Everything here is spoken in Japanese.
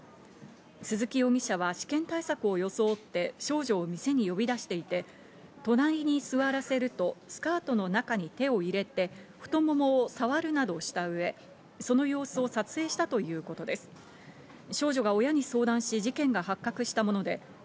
鈴木容疑者は試験対策を装って少女を店に呼び出していて、隣に座らせるとスカートの中に手を入れて太ももをさわるなどしたうえ、その様子を撮影したということです。